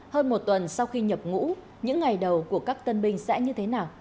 hơn một tuần sau khi nhập ngũ những ngày đầu của các tân binh sẽ như thế nào